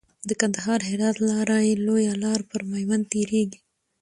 د کندهار هرات لاره لويه لار پر ميوند تيريږي .